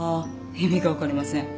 意味が分かりません。